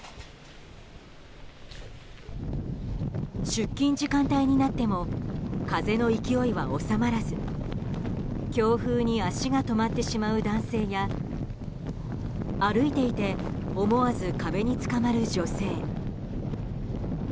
出勤時間帯になっても風の勢いは収まらず強風に足が止まってしまう男性や歩いていて思わず壁につかまる女性。